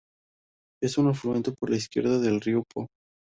Es un afluente por la izquierda del río Po.